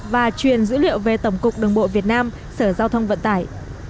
và truyền dữ liệu về tổng cục đường bộ việt nam sở giao thông vận tải